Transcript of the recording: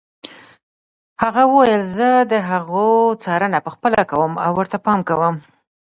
هغه وویل زه د هغو څارنه پخپله کوم او ورته پام کوم.